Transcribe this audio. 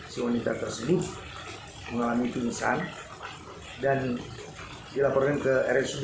si wanita tersebut mengalami pingsan dan dilaporin ke rsd